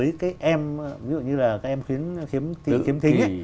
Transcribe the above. với các em ví dụ như là các em khuyến thính